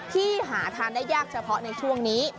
ที่หาทานได้ยากเฉพาะในช่วงนี้